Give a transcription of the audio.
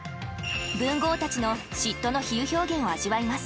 文豪たちの嫉妬の比喩表現を味わいます。